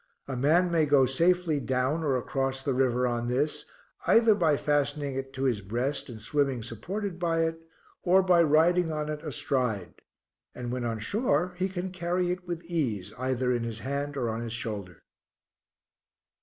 A man may go safely down or across the river on this, either by fastening it to his breast and swimming supported by it, or by riding on it astride; and when on shore he can carry it with ease either in his hand or on his shoulder.